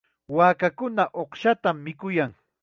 Waakakuna uqshatam mikuyan.